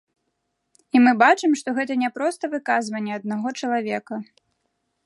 І мы бачым, што гэта не проста выказванне аднаго чалавека.